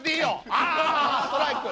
あストライク！